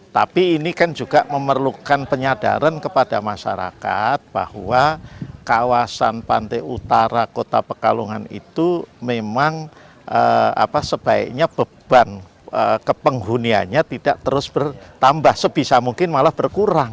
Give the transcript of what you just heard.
tapi ini kan juga memerlukan penyadaran kepada masyarakat bahwa kawasan pantai utara kota pekalongan itu memang sebaiknya beban kepenghunianya tidak terus bertambah sebisa mungkin malah berkurang